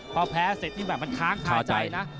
พอแพ้เสร็จนี่แบบมันค้างคาใจนะ